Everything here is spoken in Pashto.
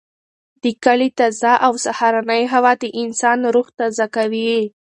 د کلي تازه او سهارنۍ هوا د انسان روح تازه کوي.